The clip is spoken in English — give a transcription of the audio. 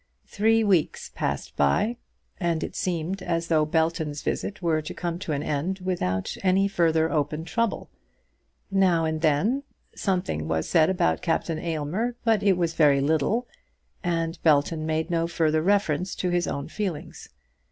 Three weeks passed by, and it seemed as though Belton's visit were to come to an end without any further open trouble. Now and then something was said about Captain Aylmer; but it was very little, and Belton made no further reference to his own feelings.